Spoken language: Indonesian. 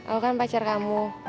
aku kan pacar kamu